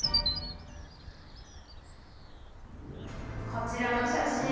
こちらの写真。